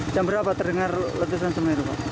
jam berapa terdengar letusan semeru pak